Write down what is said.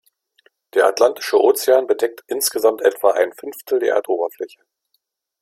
Der Atlantische Ozean bedeckt insgesamt etwa ein Fünftel der Erdoberfläche.